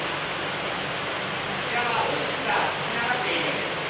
こちらはオフィスが建ち並ぶエリアです。